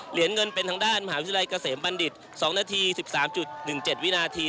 เหรียญเงินเป็นทางด้านมหาวิทยาลัยเกษมบัณฑิต๒นาที๑๓๑๗วินาที